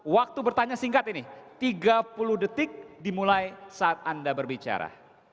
waktu bertanya singkat ini tiga puluh detik dimulai saat anda berbicara